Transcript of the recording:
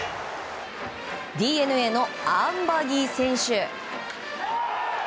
ＤｅＮＡのアンバギー選手。